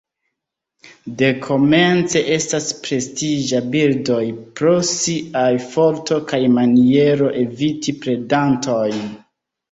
Dekomence estas prestiĝa birdoj pro siaj forto kaj maniero eviti predantojn.